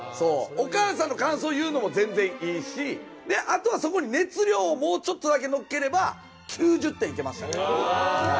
お母さんの感想言うのも全然いいしあとはそこに熱量をもうちょっとだけのっければ９０点いけましたね。